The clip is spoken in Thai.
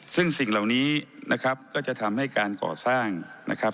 ซึ่งสิ่งเหล่านี้นะครับก็จะทำให้การก่อสร้างนะครับ